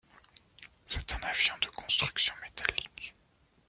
C'est un avion de construction métallique.